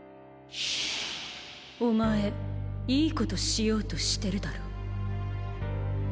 お前「いいこと」しようとしてるだろ？